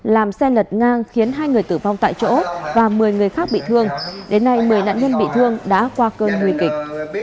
làm xe lật ngang khiến hai người tử vong tại chỗ và một mươi người khác bị thương đến nay một mươi nạn nhân bị thương đã qua cơn nguy kịch